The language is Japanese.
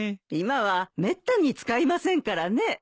今はめったに使いませんからね。